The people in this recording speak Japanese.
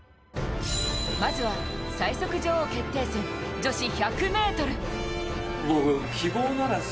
まずは最速女王決定戦女子１００ｍ。